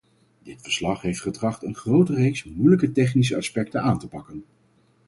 Dit verslag heeft getracht een grote reeks moeilijke technische aspecten aan te pakken.